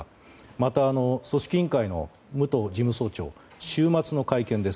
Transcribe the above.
また、組織委員会の武藤事務総長、週末の会見です。